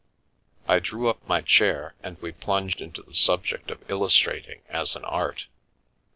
I drew up my chair and we plunged into the subject of illustrating as an art.